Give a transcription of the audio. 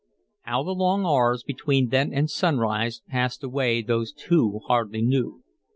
How the long hours between then and sunrise passed away those two hardly knew.